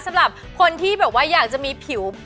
สำหรับคนที่แบบว่าอยากจะมีผิว